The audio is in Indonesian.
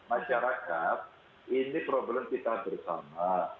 masyarakat ini problem kita bersama